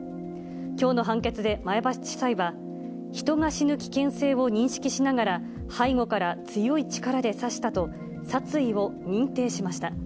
きょうの判決で前橋地裁は、人が死ぬ危険性を認識しながら、背後から強い力で刺したと、殺意を認定しました。